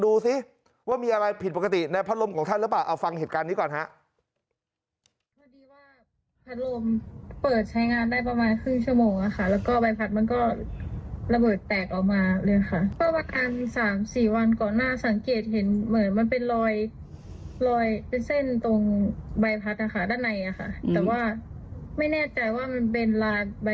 ดูสิว่ามีอะไรผิดปกติในพัดลมของท่านหรือเปล่าเอาฟังเหตุการณ์นี้ก่อนฮะ